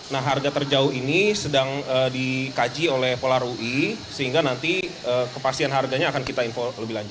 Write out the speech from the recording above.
nah harga terjauh ini sedang dikaji oleh polar ui sehingga nanti kepastian harganya akan kita info lebih lanjut